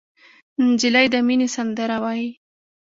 نجلۍ د مینې سندره وایي.